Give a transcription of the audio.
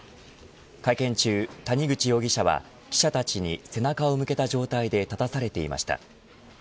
会見中、谷口容疑者は記者たちに背中を向けた状態で立たされていました。